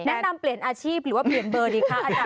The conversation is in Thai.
แนะนำเปลี่ยนอาชีพหรือว่าเปลี่ยนเบอร์ดีคะอาจาร